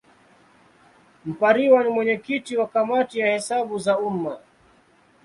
Mpariwa ni mwenyekiti wa Kamati ya Hesabu za Umma.